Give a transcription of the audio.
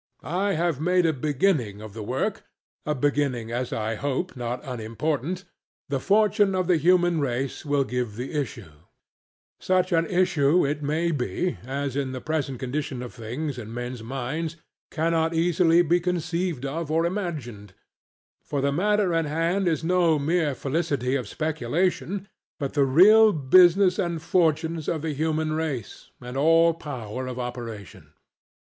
I have made a beginning of the work a beginning, as I hope, not unimportant: the fortune of the human race will give the issue; such an issue, it may be, as in the present condition of things and men's minds cannot easily be conceived or imagined. For the matter in hand is no mere felicity of speculation, but the real business and fortunes of the human race, and all power of operation.